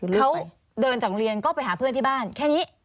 เขาเดินจากโรงเรียนก็ไปหาเพื่อนที่บ้านแค่นี้